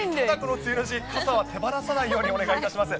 梅雨どき、傘は手放さないようにお願いします。